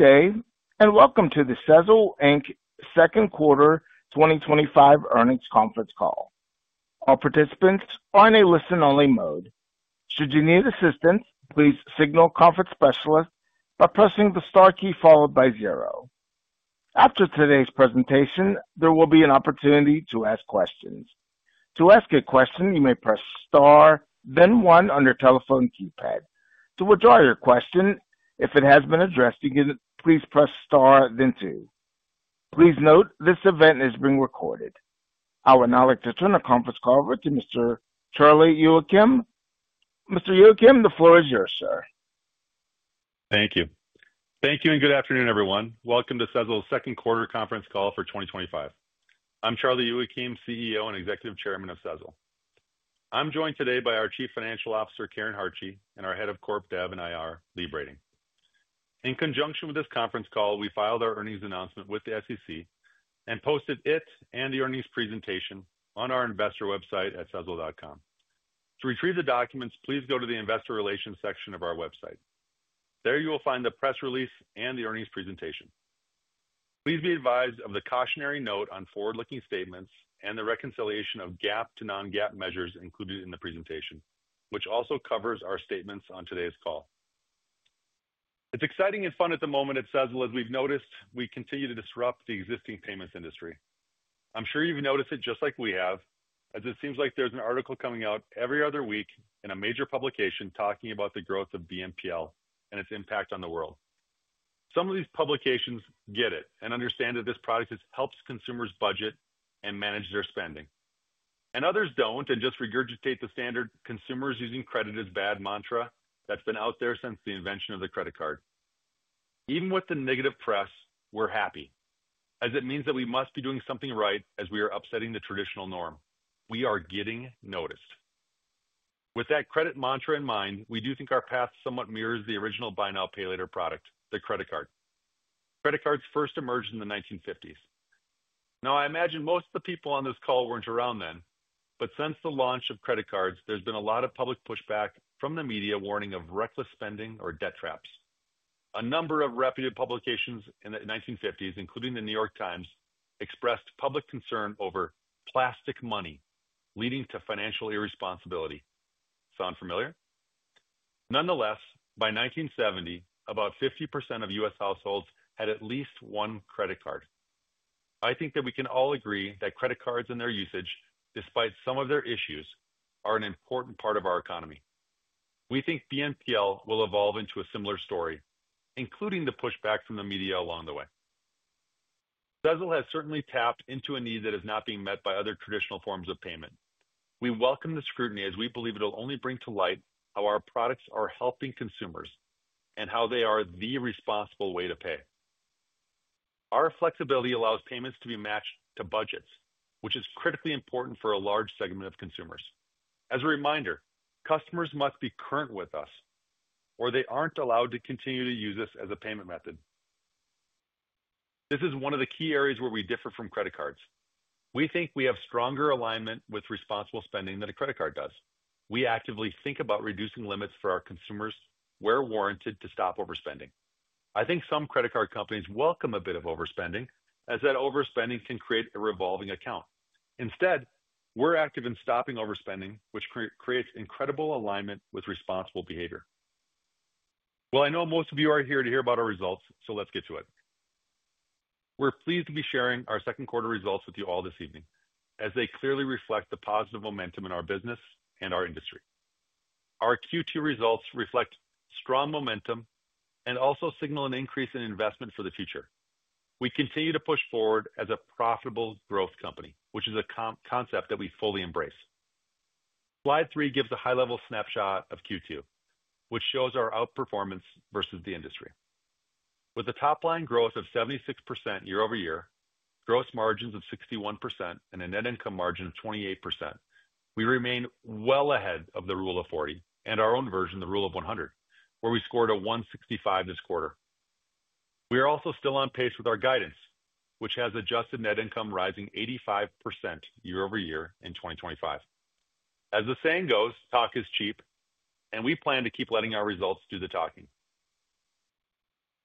Today, and welcome to the Sezzle Inc Second Quarter 2025 Earnings Conference Call. Our participants are in a listen-only mode. Should you need assistance, please signal a conference specialist by pressing the star key followed by zero. After today's presentation, there will be an opportunity to ask questions. To ask a question, you may press star, then one on your telephone keypad. To withdraw your question, if it has been addressed, please press star, then two. Please note this event is being recorded. I will now like to turn our conference call over to Mr. Charlie Youakim. Mr. Youakim, the floor is yours, sir. Thank you. Thank you and good afternoon, everyone. Welcome to Sezzle Second Quarter Conference Call for 2025. I'm Charlie Youakim, CEO and Executive Chairman of Sezzle. I'm joined today by our Chief Financial Officer, Karen Hartje, and our Head of Corp Dev and IR, Lee Brading. In conjunction with this conference call, we filed our earnings announcement with the SEC and posted it and the earnings presentation on our investor website at sezzle.com. To retrieve the documents, please go to the investor relations section of our website. There you will find the press release and the earnings presentation. Please be advised of the cautionary note on forward-looking statements and the reconciliation of GAAP to non-GAAP measures included in the presentation, which also covers our statements on today's call. It's exciting and fun at the moment at Sezzle as we've noticed we continue to disrupt the existing payments industry. I'm sure you've noticed it just like we have, as it seems like there's an article coming out every other week in a major publication talking about the growth of BNPL and its impact on the world. Some of these publications get it and understand that this product helps consumers budget and manage their spending. Others don't and just regurgitate the standard "consumers using credit is bad" mantra that's been out there since the invention of the credit card. Even with the negative press, we're happy, as it means that we must be doing something right as we are upsetting the traditional norm. We are getting noticed. With that credit mantra in mind, we do think our path somewhat mirrors the original Buy Now, Pay Later product, the credit card. Credit cards first emerged in the 1950s. Now, I imagine most of the people on this call weren't around then, but since the launch of credit cards, there's been a lot of public pushback from the media warning of reckless spending or debt traps. A number of reputed publications in the 1950s, including The New York Times, expressed public concern over "plastic money" leading to financial irresponsibility. Sound familiar? Nonetheless, by 1970, about 50% of U.S. households had at least one credit card. I think that we can all agree that credit cards and their usage, despite some of their issues, are an important part of our economy. We think BNPL will evolve into a similar story, including the pushback from the media along the way. Sezzle has certainly tapped into a need that is not being met by other traditional forms of payment. We welcome the scrutiny as we believe it'll only bring to light how our products are helping consumers and how they are the responsible way to pay. Our flexibility allows payments to be matched to budgets, which is critically important for a large segment of consumers. As a reminder, customers must be current with us, or they aren't allowed to continue to use us as a payment method. This is one of the key areas where we differ from credit cards. We think we have stronger alignment with responsible spending than a credit card does. We actively think about reducing limits for our consumers where warranted to stop overspending. I think some credit card companies welcome a bit of overspending, as that overspending can create a revolving account. Instead, we're active in stopping overspending, which creates incredible alignment with responsible behavior. I know most of you are here to hear about our results, so let's get to it. We're pleased to be sharing our second quarter results with you all this evening, as they clearly reflect the positive momentum in our business and our industry. Our Q2 results reflect strong momentum and also signal an increase in investment for the future. We continue to push forward as a profitable growth company, which is a concept that we fully embrace. Slide three gives a high-level snapshot of Q2, which shows our outperformance versus the industry. With a top line growth of 76% year-over-year, gross margins of 61%, and a net income margin of 28%, we remain well ahead of the Rule of 40 and our own version, the Rule of 100, where we scored a 165 this quarter. We are also still on pace with our guidance, which has adjusted net income rising 85% year-over-year in 2025. As the saying goes, talk is cheap, and we plan to keep letting our results do the talking.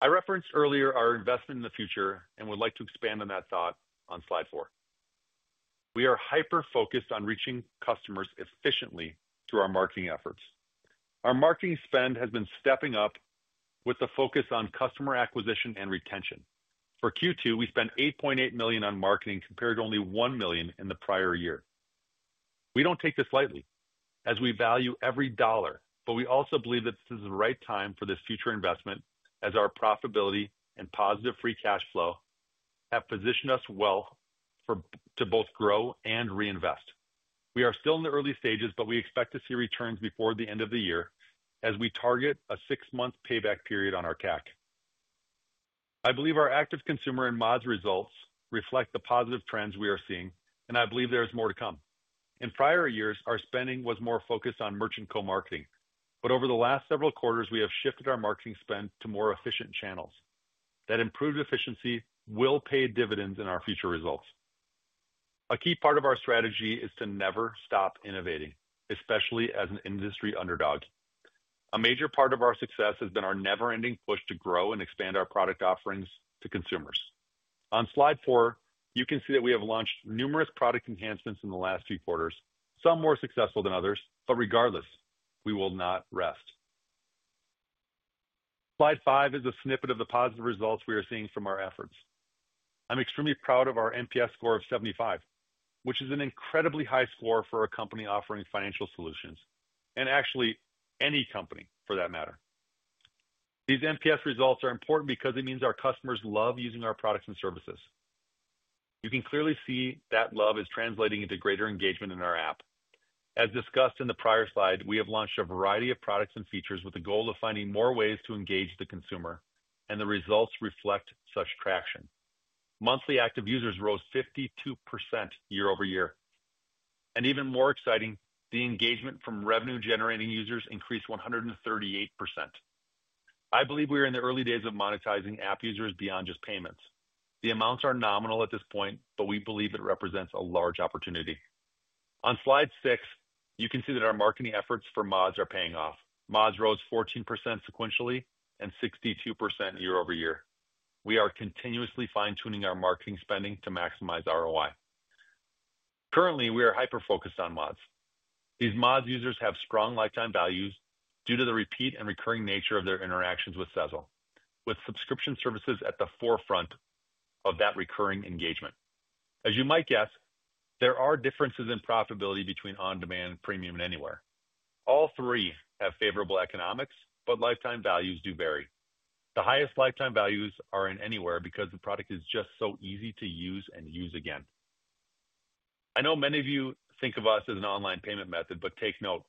I referenced earlier our investment in the future and would like to expand on that thought on slide four. We are hyper-focused on reaching customers efficiently through our marketing efforts. Our marketing spend has been stepping up with a focus on customer acquisition and retention. For Q2, we spent $8.8 million on marketing compared to only $1 million in the prior year. We don't take this lightly, as we value every dollar, but we also believe that this is the right time for this future investment, as our profitability and positive free cash flow have positioned us well to both grow and reinvest. We are still in the early stages, but we expect to see returns before the end of the year, as we target a six-month payback period on our CAC. I believe our active consumer and MAUs results reflect the positive trends we are seeing, and I believe there is more to come. In prior years, our spending was more focused on merchant co-marketing, but over the last several quarters, we have shifted our marketing spend to more efficient channels. That improved efficiency will pay dividends in our future results. A key part of our strategy is to never stop innovating, especially as an industry underdog. A major part of our success has been our never-ending push to grow and expand our product offerings to consumers. On slide four, you can see that we have launched numerous product enhancements in the last few quarters, some more successful than others, but regardless, we will not rest. Slide five is a snippet of the positive results we are seeing from our efforts. I'm extremely proud of our NPS score of 75, which is an incredibly high score for a company offering financial solutions, and actually any company for that matter. These NPS results are important because it means our customers love using our products and services. You can clearly see that love is translating into greater engagement in our app. As discussed in the prior slide, we have launched a variety of products and features with the goal of finding more ways to engage the consumer, and the results reflect such traction. Monthly active users rose 52% year-over-year. Even more exciting, the engagement from revenue-generating users increased 138%. I believe we are in the early days of monetizing app users beyond just payments. The amounts are nominal at this point, but we believe it represents a large opportunity. On slide six, you can see that our marketing efforts for MAUs are paying off. MAUs rose 14% sequentially and 62% year-over-year. We are continuously fine-tuning our marketing spending to maximize ROI. Currently, we are hyper-focused on MAUs. These MAUs users have strong lifetime values due to the repeat and recurring nature of their interactions with Sezzle, with subscription services at the forefront of that recurring engagement. As you might guess, there are differences in profitability between On-Demand, Premium, and Anywhere. All three have favorable economics, but lifetime values do vary. The highest lifetime values are in Anywhere because the product is just so easy to use and use again. I know many of you think of us as an online payment method, but take note,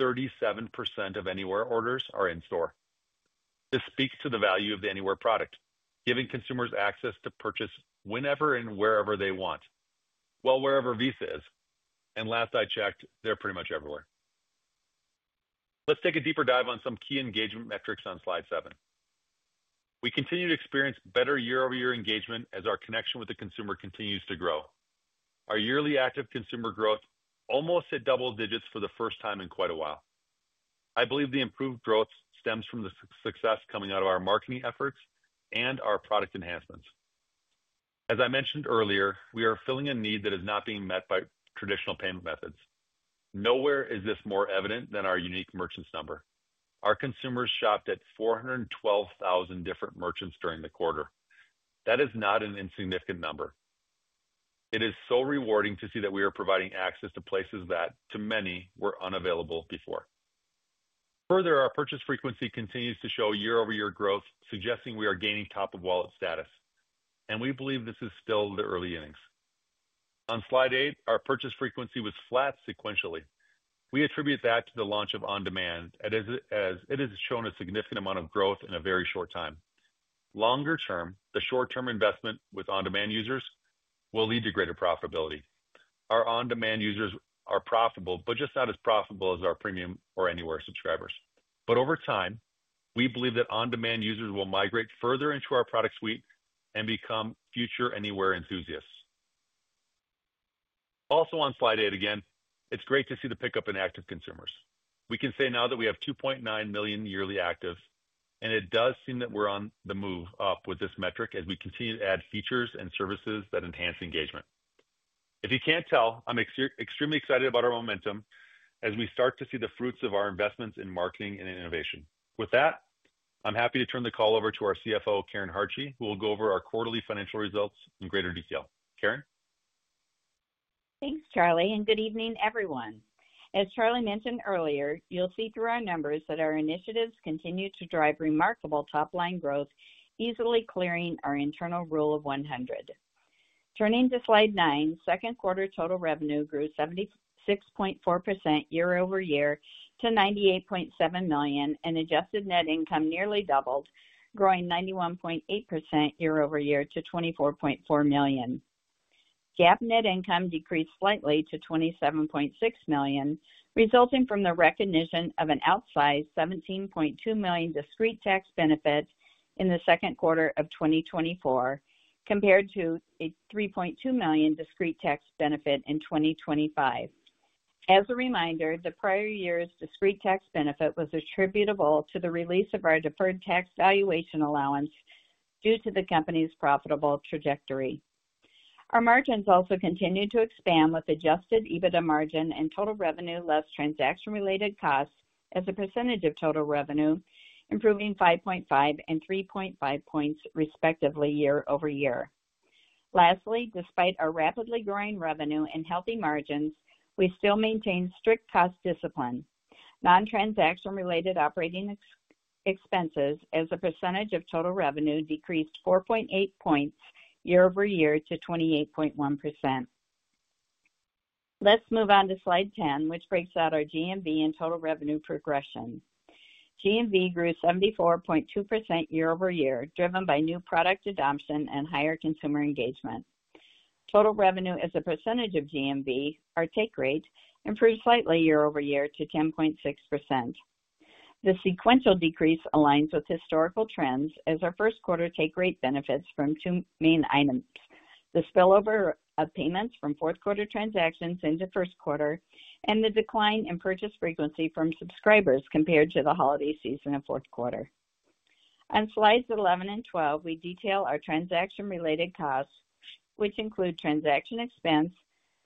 37% of Anywhere orders are in store. This speaks to the value of the Anywhere product, giving consumers access to purchase whenever and wherever they want. Wherever Visa is. Last I checked, they're pretty much everywhere. Let's take a deeper dive on some key engagement metrics on slide seven. We continue to experience better year-over-year engagement as our connection with the consumer continues to grow. Our yearly active consumer growth almost hit double digits for the first time in quite a while. I believe the improved growth stems from the success coming out of our marketing efforts and our product enhancements. As I mentioned earlier, we are filling a need that is not being met by traditional payment methods. Nowhere is this more evident than our unique merchants number. Our consumers shopped at 412,000 different merchants during the quarter. That is not an insignificant number. It is so rewarding to see that we are providing access to places that, to many, were unavailable before. Further, our purchase frequency continues to show year-over-year growth, suggesting we are gaining top-of-wallet status. We believe this is still the early innings. On slide eight, our purchase frequency was flat sequentially. We attribute that to the launch of On-Demand, as it has shown a significant amount of growth in a very short time. Longer term, the short-term investment with On-Demand users will lead to greater profitability. Our On-Demand users are profitable, but just not as profitable as our Premium or Anywhere subscribers. Over time, we believe that On-Demand users will migrate further into our product suite and become future Anywhere enthusiasts. Also on slide eight, again, it's great to see the pickup in active consumers. We can say now that we have 2.9 million yearly active, and it does seem that we're on the move up with this metric as we continue to add features and services that enhance engagement. If you can't tell, I'm extremely excited about our momentum as we start to see the fruits of our investments in marketing and innovation. With that, I'm happy to turn the call over to our CFO, Karen Hartje, who will go over our quarterly financial results in greater detail. Karen? Thanks, Charlie, and good evening, everyone. As Charlie mentioned earlier, you'll see through our numbers that our initiatives continue to drive remarkable top-line growth, easily clearing our internal Rule of 100. Turning to slide nine, second quarter total revenue grew 76.4% year-over-year to $98.7 million and adjusted net income nearly doubled, growing 91.8% year-over-year to $24.4 million. GAAP net income decreased slightly to $27.6 million, resulting from the recognition of an outsized $17.2 million discrete tax benefit in the second quarter of 2024, compared to a $3.2 million discrete tax benefit in 2025. As a reminder, the prior year's discrete tax benefit was attributable to the release of our deferred tax valuation allowance due to the company's profitable trajectory. Our margins also continue to expand with adjusted EBITDA margin and total revenue less transaction-related cost as a percentage of total revenue, improving 5.5 and 3.5 points respectively year-over-year. Lastly, despite our rapidly growing revenue and healthy margins, we still maintain strict cost discipline. Non-transaction-related operating expenses as a percentage of total revenue decreased 4.8 points year-over-year to 28.1%. Let's move on to slide 10, which breaks out our GMV and total revenue progression. GMV grew 74.2% year-over-year, driven by new product adoption and higher consumer engagement. Total revenue as a percentage of GMV, our take rate, improved slightly year-over-year to 10.6%. The sequential decrease aligns with historical trends as our first quarter take rate benefits from two main items: the spillover of payments from fourth quarter transactions into first quarter and the decline in purchase frequency from subscribers compared to the holiday season in fourth quarter. On slides 11 and 12, we detail our transaction-related costs, which include transaction expense,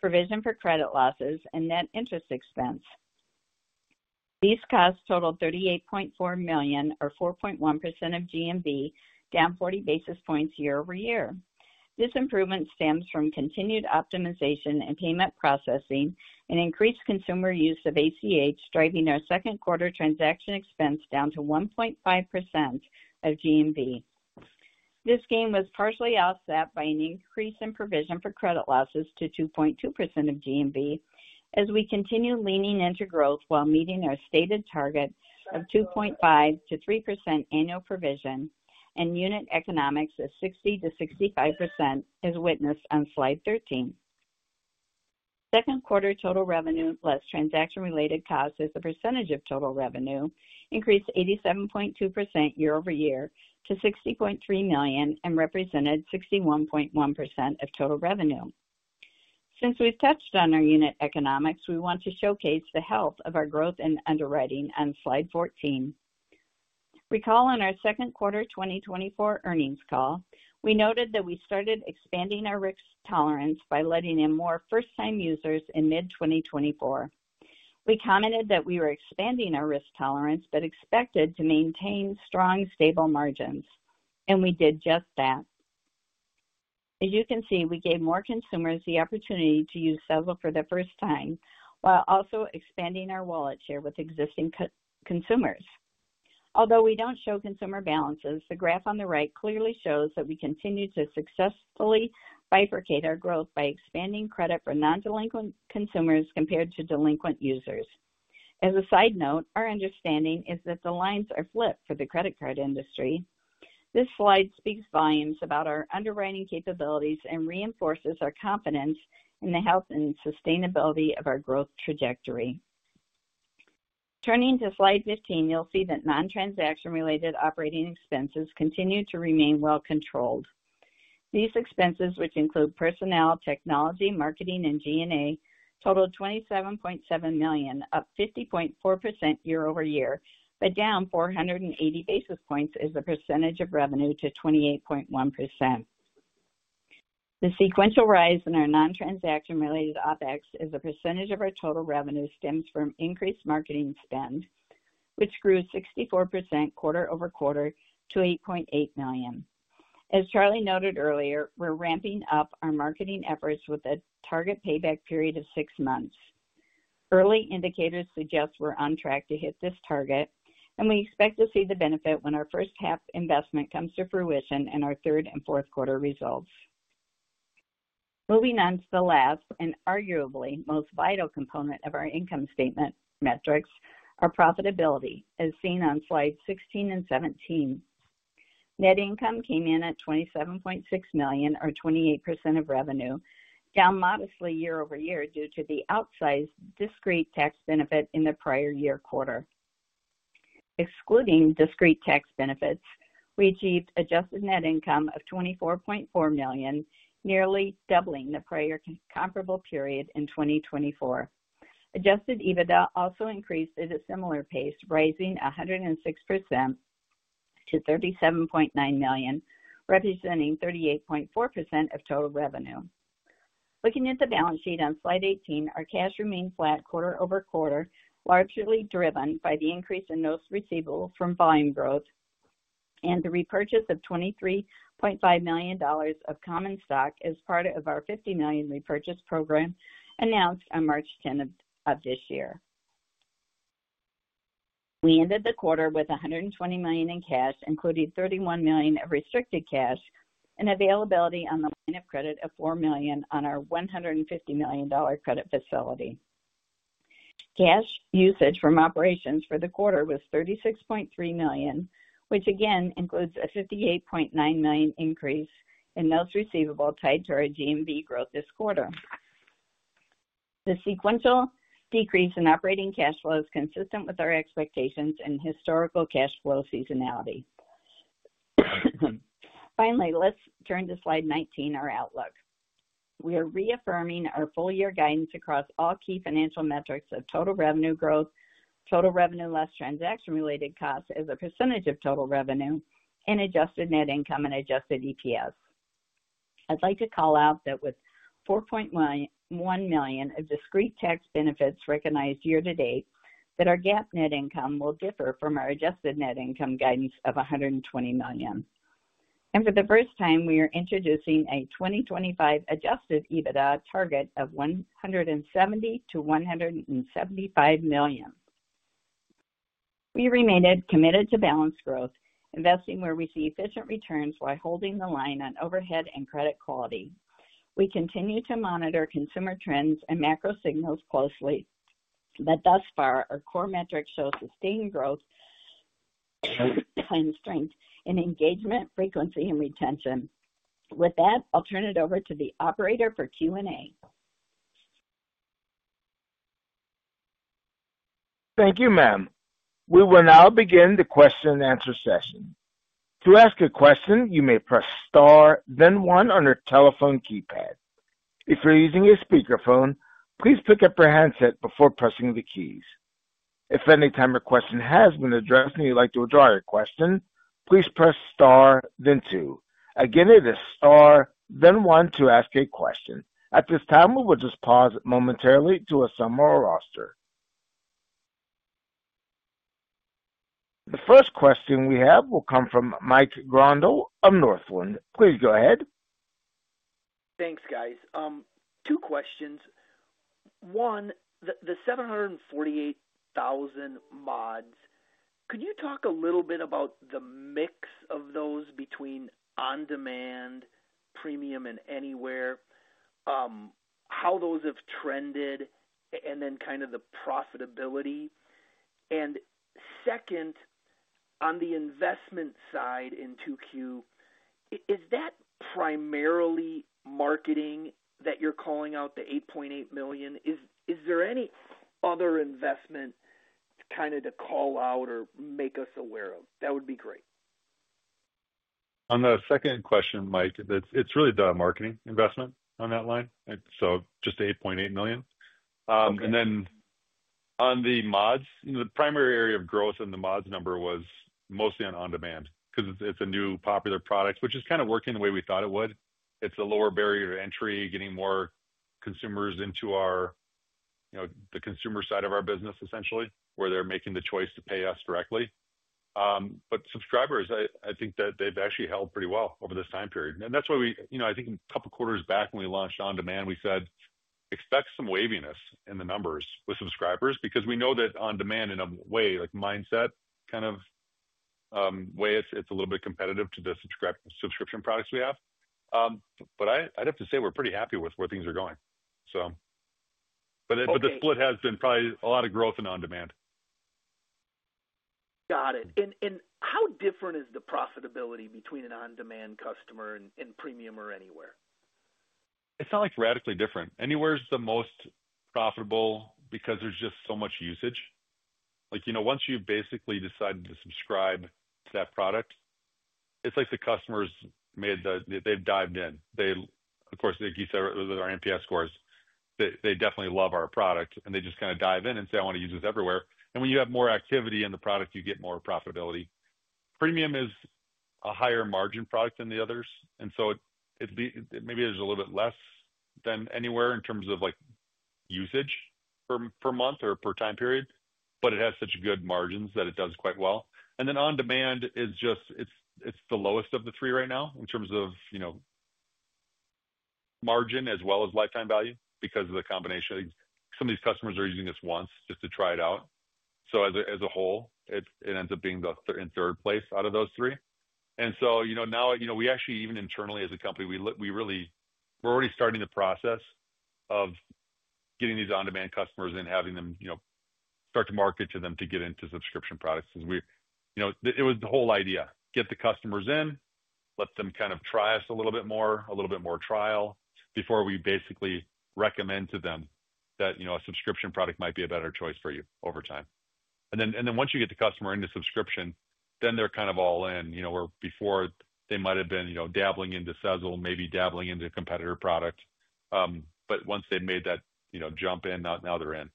provision for credit losses, and net interest expense. These costs total $38.4 million, or 4.1% of GMV, down 40 basis points year-over-year. This improvement stems from continued optimization in payment processing and increased consumer use of ACH, driving our second quarter transaction expense down to 1.5% of GMV. This gain was partially offset by an increase in provision for credit losses to 2.2% of GMV, as we continue leaning into growth while meeting our stated target of 2.5%-3% annual provision and unit economics of 60%-65%, as witnessed on slide 13. Second quarter total revenue less transaction-related cost as a percentage of total revenue increased 87.2% year-over-year to $60.3 million and represented 61.1% of total revenue. Since we've touched on our unit economics, we want to showcase the health of our growth in underwriting on slide 14. Recall on our second quarter 2024 earnings call, we noted that we started expanding our risk tolerance by letting in more first-time users in mid-2024. We commented that we were expanding our risk tolerance but expected to maintain strong, stable margins, and we did just that. As you can see, we gave more consumers the opportunity to use Sezzle for the first time while also expanding our wallet share with existing consumers. Although we don't show consumer balances, the graph on the right clearly shows that we continue to successfully bifurcate our growth by expanding credit for non-delinquent consumers compared to delinquent users. As a side note, our understanding is that the lines are flipped for the credit card industry. This slide speaks volumes about our underwriting capabilities and reinforces our confidence in the health and sustainability of our growth trajectory. Turning to slide 15, you'll see that non-transaction-related operating expenses continue to remain well controlled. These expenses, which include personnel, technology, marketing, and G&A, total $27.7 million, up 50.4% year-over-year, but down 480 basis points as a percentage of revenue to 28.1%. The sequential rise in our non-transaction-related OpEx as a percentage of our total revenue stems from increased marketing spend, which grew 64% quarter-over-quarter to $8.8 million. As Charlie noted earlier, we're ramping up our marketing efforts with a target payback period of six months. Early indicators suggest we're on track to hit this target, and we expect to see the benefit when our first half investment comes to fruition in our third and fourth quarter results. Moving on to the last and arguably most vital component of our income statement metrics, our profitability, as seen on slides 16 and 17. Net income came in at $27.6 million, or 28% of revenue, down modestly year-over-year due to the outsized discrete tax benefit in the prior year quarter. Excluding discrete tax benefits, we achieved adjusted net income of $24.4 million, nearly doubling the prior comparable period in 2024. Adjusted EBITDA also increased at a similar pace, rising 106% to $37.9 million, representing 38.4% of total revenue. Looking at the balance sheet on slide 18, our cash remained flat quarter-over-quarter, largely driven by the increase in notes receivable from volume growth and the repurchase of $23.5 million of common stock as part of our $50 million repurchase program announced on March 10 of this year. We ended the quarter with $120 million in cash, including $31 million of restricted cash and availability on the line of credit of $4 million on our $150 million credit facility. Cash usage from operations for the quarter was $36.3 million, which again includes a $58.9 million increase in notes receivable tied to our GMV growth this quarter. The sequential decrease in operating cash flow is consistent with our expectations and historical cash flow seasonality. Finally, let's turn to slide 19, our outlook. We are reaffirming our full-year guidance across all key financial metrics of total revenue growth, total revenue less transaction-related costs as a percentage of total revenue, and adjusted net income and adjusted EPS. I'd like to call out that with $4.1 million of discrete tax benefits recognized year to date, that our GAAP net income will differ from our adjusted net income guidance of $120 million. For the first time, we are introducing a 2025 adjusted EBITDA target of $170 million-$175 million. We remain committed to balanced growth, investing where we see efficient returns while holding the line on overhead and credit quality. We continue to monitor consumer trends and macro signals closely, but thus far, our core metrics show sustained growth and strength in engagement, frequency, and retention. With that, I'll turn it over to the operator for Q&A. Thank you, ma'am. We will now begin the question and answer session. To ask a question, you may press star, then one on your telephone keypad. If you're using a speakerphone, please pick up your handset before pressing the keys. If at any time your question has been addressed and you'd like to withdraw your question, please press star, then two. Again, it is star, then one to ask a question. At this time, we will just pause momentarily to assemble our roster. The first question we have will come from Mike Grondahl of Northland. Please go ahead. Thanks, guys. Two questions. One, the 748,000 mods, could you talk a little bit about the mix of those between On-Demand, Premium, and Anywhere, how those have trended, and then kind of the profitability? Second, on the investment side in Q2, is that primarily marketing that you're calling out, the $8.8 million? Is there any other investment to call out or make us aware of? That would be great. On the second question, Mike, it's really the marketing investment on that line. Just the $8.8 million. On the mods, the primary area of growth in the mods number was mostly on On-Demand because it's a new popular product, which is kind of working the way we thought it would. It's a lower barrier to entry, getting more consumers into our, you know, the consumer side of our business, essentially, where they're making the choice to pay us directly. Subscribers, I think that they've actually held pretty well over this time period. That's why we, I think a couple of quarters back when we launched On-Demand, we said, expect some waviness in the numbers with subscribers because we know that On-Demand in a way, like mindset kind of way, it's a little bit competitive to the subscription products we have. I'd have to say we're pretty happy with where things are going. The split has been probably a lot of growth in On-Demand. Got it. How different is the profitability between an On-Demand customer and Premium or Anywhere? It's not like radically different. Anywhere is the most profitable because there's just so much usage. Like, you know, once you basically decide to subscribe to that product, it's like the customers made the, they've dived in. They, of course, like you said, with our NPS scores, they definitely love our product and they just kind of dive in and say, I want to use this everywhere. When you have more activity in the product, you get more profitability. Premium is a higher margin product than the others, so it maybe there's a little bit less than Anywhere in terms of usage per month or per time period, but it has such good margins that it does quite well. On-Demand is just, it's the lowest of the three right now in terms of margin as well as lifetime value because of the combination of these. Some of these customers are using this once just to try it out. As a whole, it ends up being the third in third place out of those three. Now, you know, we actually even internally as a company, we really, we're already starting the process of getting these On-Demand customers in, having them, you know, start to market to them to get into subscription products. Because we, you know, it was the whole idea, get the customers in, let them kind of try us a little bit more, a little bit more trial before we basically recommend to them that, you know, a subscription product might be a better choice for you over time. Once you get the customer into subscription, then they're kind of all in, you know, where before they might have been, you know, dabbling into Sezzle, maybe dabbling into a competitor product. Once they've made that, you know, jump in, now they're in.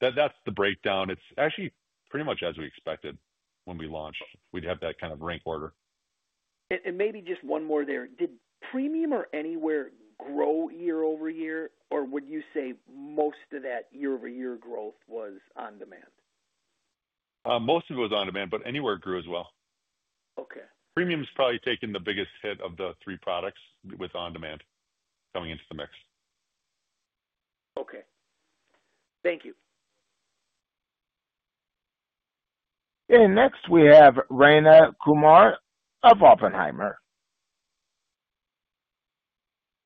That's the breakdown. It's actually pretty much as we expected when we launched. We'd have that kind of rank order. Did Premium or Anywhere grow year-over-year, or would you say most of that year-over-year growth was On-Demand? Most of it was On-Demand, but Anywhere grew as well. Okay. Premium's probably taken the biggest hit of the three products with On-Demand coming into the mix. Okay, thank you. Next, we have Rayna Kumar of Oppenheimer.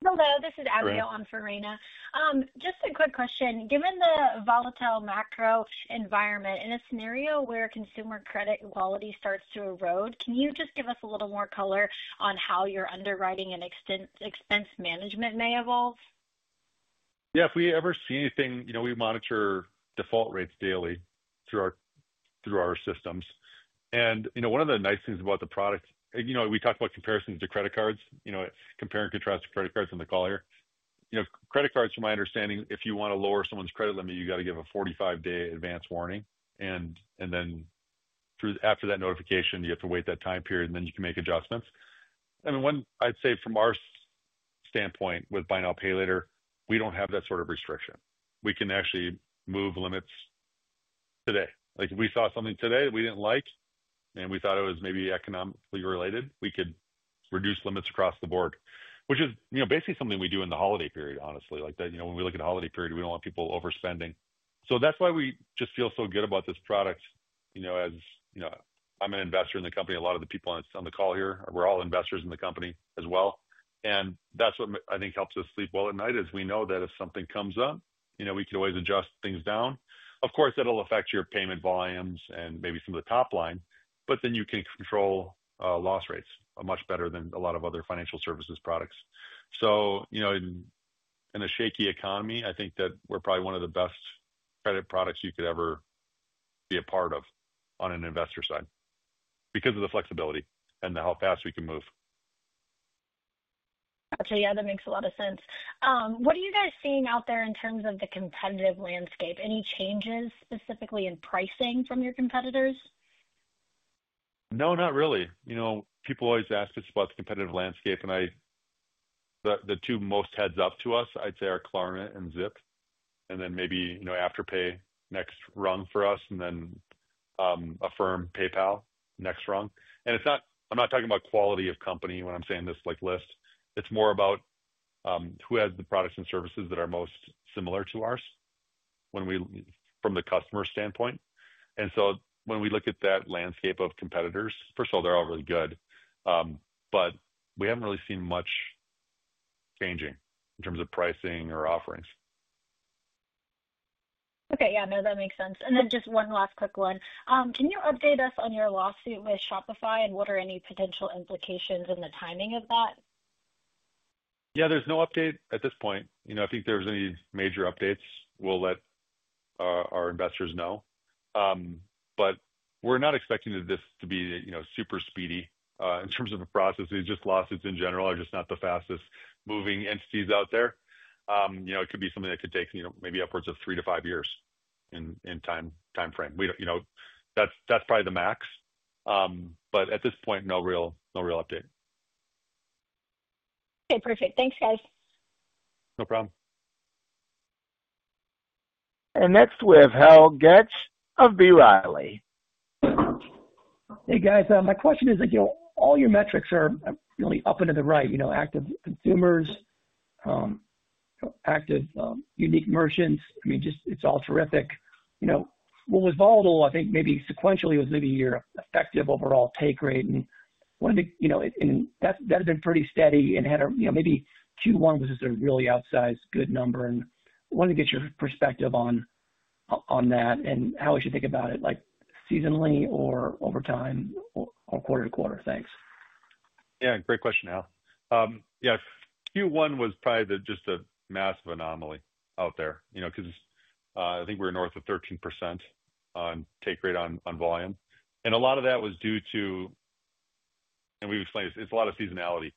Hello. This is Abigail on for Rayna. Just a quick question. Given the volatile macro environment and a scenario where consumer credit quality starts to erode, can you just give us a little more color on how your underwriting and expense management may evolve? Yeah. If we ever see anything, you know, we monitor default rates daily through our systems. One of the nice things about the product, you know, we talked about comparisons to credit cards, you know, compare and contrast the credit cards on the call here. Credit cards, from my understanding, if you want to lower someone's credit limit, you got to give a 45-day advance warning. After that notification, you have to wait that time period, and then you can make adjustments. I'd say from our standpoint with buy now, pay later, we don't have that sort of restriction. We can actually move limits today. If we saw something today that we didn't like and we thought it was maybe economically related, we could reduce limits across the board, which is basically something we do in the holiday period, honestly. When we look at the holiday period, we don't want people overspending. That's why we just feel so good about this product. As you know, I'm an investor in the company. A lot of the people on the call here, we're all investors in the company as well. That's what I think helps us sleep well at night is we know that if something comes up, we can always adjust things down. Of course, that'll affect your payment volumes and maybe some of the top line, but then you can control loss rates much better than a lot of other financial services products. In a shaky economy, I think that we're probably one of the best credit products you could ever be a part of on an investor side because of the flexibility and how fast we can move. Gotcha. Yeah, that makes a lot of sense. What are you guys seeing out there in terms of the competitive landscape? Any changes specifically in pricing from your competitors? No, not really. You know, people always ask us about the competitive landscape, and the two most heads up to us, I'd say, are Klarna and Zip. Maybe, you know, Afterpay next rung for us, and then Affirm, PayPal next rung. I'm not talking about quality of company when I'm saying this list. It's more about who has the products and services that are most similar to ours from the customer standpoint. When we look at that landscape of competitors, first of all, they're all really good. We haven't really seen much changing in terms of pricing or offerings. Okay. Yeah, that makes sense. Just one last quick one. Can you update us on your lawsuit with Shopify and what are any potential implications in the timing of that? Yeah, there's no update at this point. I think if there's any major updates, we'll let our investors know. We're not expecting this to be super speedy in terms of the process. Lawsuits in general are just not the fastest-moving entities out there. It could be something that could take maybe upwards of three to five years in time frame. That's probably the max. At this point, no real update. Okay. Perfect. Thanks, guys. No problem. Next, we have Hal Goetsch of B. Riley. Hey, guys. My question is, you know, all your metrics are really up and to the right, you know, active consumers, active unique merchants. I mean, just it's all terrific. What was volatile, I think maybe sequentially, was maybe your effective overall take rate. That's that had been pretty steady and had a, you know, maybe Q1 was just a really outsized good number. I wanted to get your perspective on that and how we should think about it, like seasonally or over time or quarter to quarter. Thanks. Yeah, great question, Hal. Q1 was probably just a massive anomaly out there, you know, because I think we were north of 13% on take rate on volume. A lot of that was due to, and we've explained this, it's a lot of seasonality.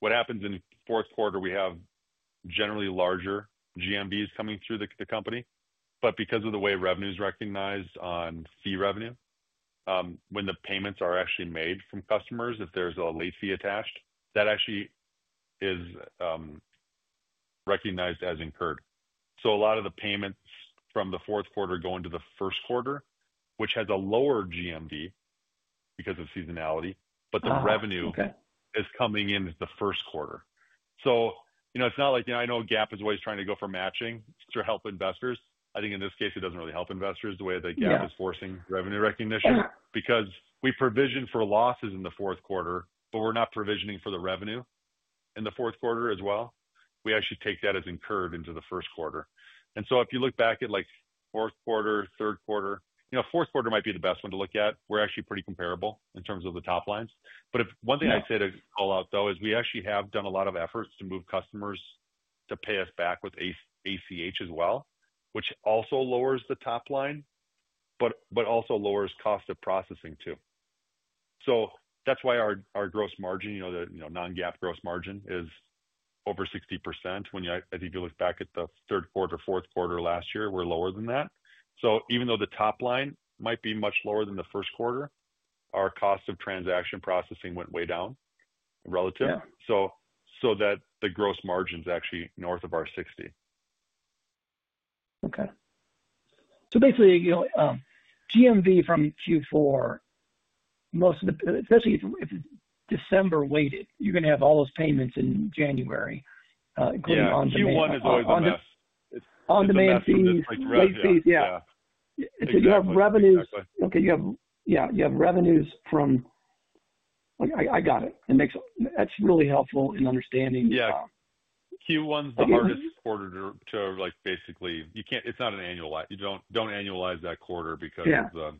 What happens in the fourth quarter, we have generally larger GMVs coming through the company. Because of the way revenue is recognized on fee revenue, when the payments are actually made from customers, if there's a late fee attached, that actually is recognized as incurred. A lot of the payments from the fourth quarter go into the first quarter, which has a lower GMV because of seasonality, but the revenue is coming in the first quarter. It's not like, you know, I know GAAP is always trying to go for matching to help investors. I think in this case, it doesn't really help investors the way that GAAP is forcing revenue recognition because we provision for losses in the fourth quarter, but we're not provisioning for the revenue in the fourth quarter as well. We actually take that as incurred into the first quarter. If you look back at like fourth quarter, third quarter, fourth quarter might be the best one to look at. We're actually pretty comparable in terms of the top lines. If one thing I say to call out, though, is we actually have done a lot of efforts to move customers to pay us back with ACH as well, which also lowers the top line, but also lowers cost of processing too. That's why our gross margin, the non-GAAP gross margin, is over 60%. When I think you look back at the third quarter, fourth quarter last year, we're lower than that. Even though the top line might be much lower than the first quarter, our cost of transaction processing went way down relative. The gross margin is actually north of our 60%. Okay. Basically, you know, GMV from Q4, most of the, especially if it's December weighted, you're going to have all those payments in January. Yeah, Q1 is always the hardest. On-Demand fees, late fees, yeah. You have revenues. Okay, you have, yeah, you have revenues from, like I got it. It makes, that's really helpful in understanding. Q1's the hardest quarter to, like, basically, you can't, it's not an annualized, you don't annualize that quarter because of the,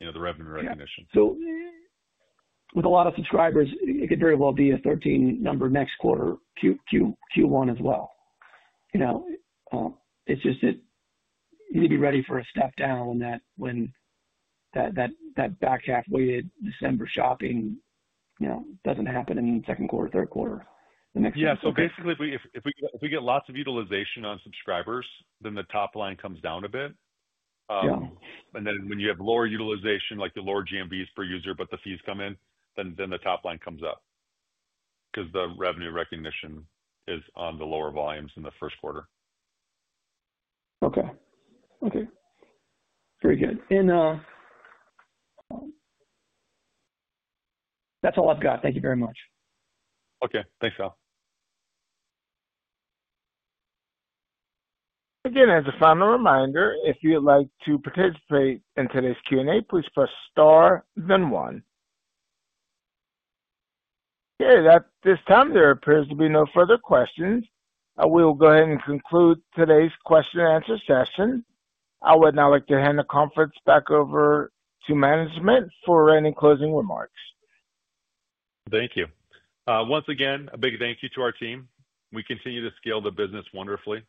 you know, the revenue recognition. Yeah. With a lot of subscribers, it could very well be a 13 number next quarter, Q1 as well. You know, you need to be ready for a step down when that back half weighted December shopping doesn't happen in the second quarter, third quarter, the next quarter. If we get lots of utilization on subscribers, then the top line comes down a bit. When you have lower utilization, like the lower GMVs per user, but the fees come in, then the top line comes up because the revenue recognition is on the lower volumes in the first quarter. Okay. Very good. That's all I've got. Thank you very much. Okay. Thanks, Hal. Again, as a final reminder, if you'd like to participate in today's Q&A, please press star, then one. At this time, there appears to be no further questions. We will go ahead and conclude today's question and answer session. I would now like to hand the conference back over to management for any closing remarks. Thank you. Once again, a big thank you to our team. We continue to scale the business wonderfully.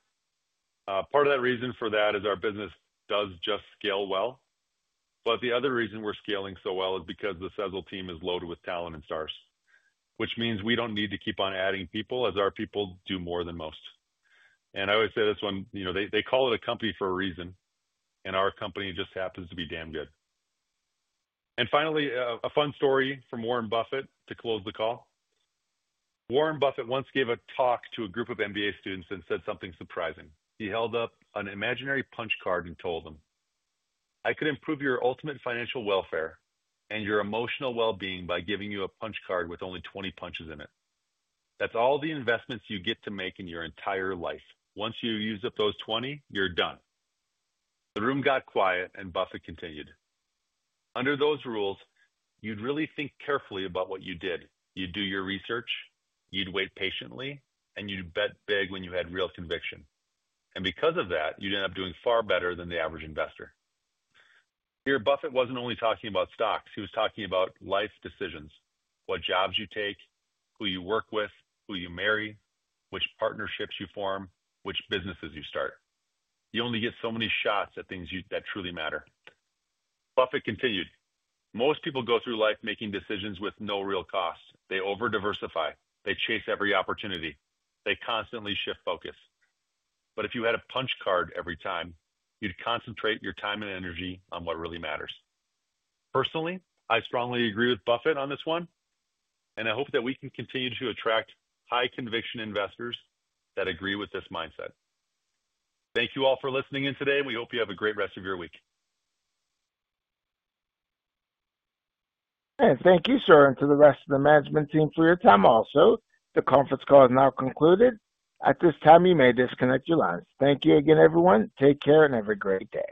Part of the reason for that is our business does just scale well. The other reason we're scaling so well is because the Sezzle team is loaded with talent and stars, which means we don't need to keep on adding people as our people do more than most. I always say this one, you know, they call it a company for a reason, and our company just happens to be damn good. Finally, a fun story from Warren Buffett to close the call. Warren Buffett once gave a talk to a group of MBA students and said something surprising. He held up an imaginary punch card and told them, "I could improve your ultimate financial welfare and your emotional well-being by giving you a punch card with only 20 punches in it. That's all the investments you get to make in your entire life. Once you use up those 20, you're done." The room got quiet and Buffett continued. Under those rules, you'd really think carefully about what you did. You'd do your research, you'd wait patiently, and you'd bet big when you had real conviction. Because of that, you'd end up doing far better than the average investor. Here, Buffett wasn't only talking about stocks. He was talking about life decisions, what jobs you take, who you work with, who you marry, which partnerships you form, which businesses you start. You only get so many shots at things that truly matter. Buffett continued, "Most people go through life making decisions with no real cost. They over-diversify. They chase every opportunity. They constantly shift focus. If you had a punch card every time, you'd concentrate your time and energy on what really matters." Personally, I strongly agree with Buffett on this one, and I hope that we can continue to attract high-conviction investors that agree with this mindset. Thank you all for listening in today, and we hope you have a great rest of your week. Thank you, sir, and to the rest of the management team for your time also. The conference call is now concluded. At this time, you may disconnect your line. Thank you again, everyone. Take care and have a great day.